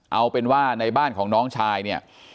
เอาเป็นว่าในบ้านของน้องชายเนี่ย